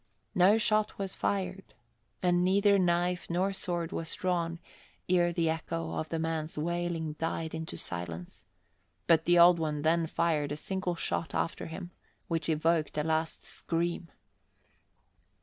No shot was fired and neither knife nor sword was drawn ere the echo of the fellow's wailing died into silence; but the Old One then fired a single shot after him, which evoked a last scream.